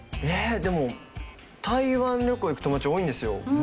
でも台湾旅行行く友達多いんですよ。